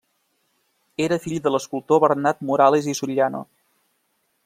Era fill de l'escultor Bernat Morales i Soriano.